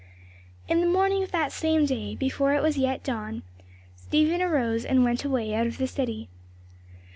In the morning of that same day, before it was yet dawn, Stephen arose and went away out of the city.